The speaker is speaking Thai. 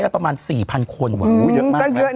แล้วประมาณ๔๐๐๐คนอื้อเยอะมากอื้อเยอะนะ